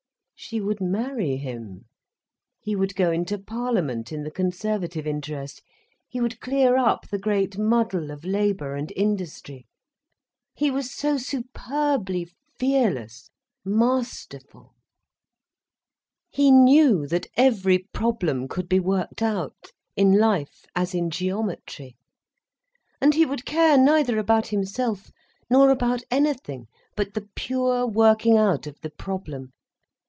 She would marry him, he would go into Parliament in the Conservative interest, he would clear up the great muddle of labour and industry. He was so superbly fearless, masterful, he knew that every problem could be worked out, in life as in geometry. And he would care neither about himself nor about anything but the pure working out of the problem.